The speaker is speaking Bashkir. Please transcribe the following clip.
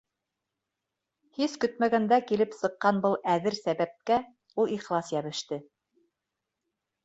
Һис көтмәгәндә килеп сыҡҡан был әҙер сәбәпкә ул ихлас йәбеште.